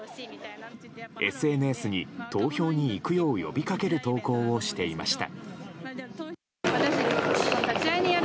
ＳＮＳに投票に行くよう呼びかける投稿をしていました。